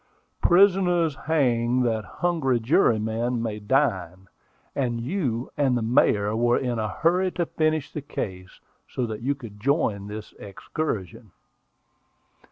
"'Prisoners hang that hungry jurymen may dine,' and you and the Mayor were in a hurry to finish the case, so that you could join this excursion."